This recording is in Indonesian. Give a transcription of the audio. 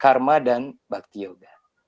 karma dan bakti yoga